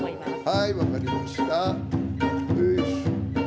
はい、分かりました。